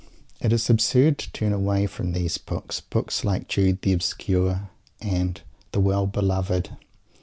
It is absurd to turn away from these books, books like Jude the Obscure and the Well Beloved.